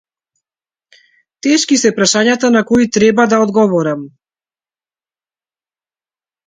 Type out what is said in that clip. Тешки се прашањата на кои треба да одговорам.